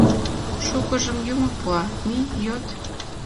Шукыжым юмо пуа, мий, йод.